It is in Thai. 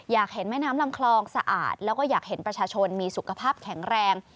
อยากเห็นแม่น้ำลำคลองสะอาดแล้วก็อยากเห็นประชาชนมีสุขภาพแข็งแรง